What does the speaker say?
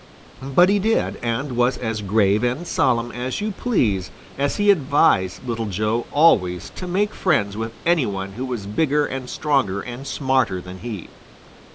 But he did and was as grave and solemn as you please as he advised Little Joe always to make friends with any one who was bigger and stronger and smarter than he.